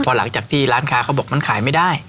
พอหลังจากที่ร้านค้าเขาบอกมันขายไม่ได้